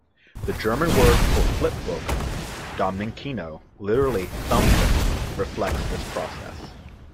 The German word for flip book-"Daumenkino", literally "thumb cinema"-reflects this process.